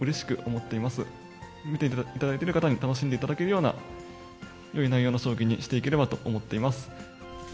見ていただいている方に楽しんでいただけるような、よい内容の将棋にしていければと思っています。